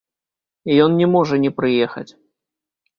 Ён не можа не прыехаць.